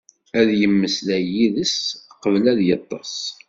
Ad yemmeslay yid-s qbel ad yeṭṭeṣ.